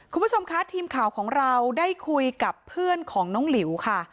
คุณผู้ชมคะทีมข่าวของเราได้คุยกับเพื่อนของน้องหลิวค่ะ